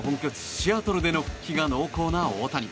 シアトルでの復帰が濃厚な大谷。